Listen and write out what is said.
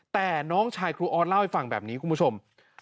แต่น้องชายครูออสเล่าให้ฟังแบบนี้คุณผู้ชม